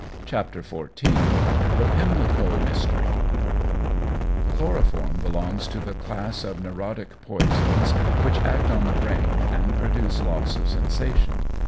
CHAPTER XIV THE PIMLICO MYSTERY CHLOROFORM belongs to the class of neurotic poisons which act on the brain, and produce loss of sensation.